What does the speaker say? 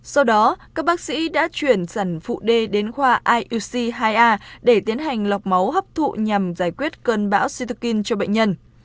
sau đó các bác sĩ đã chuyển sản vụ đê đến khoa iuc hai a để tiến hành lọc máu hấp thụ nhằm giải quyết cơn bão cytokine cho bệnh nhân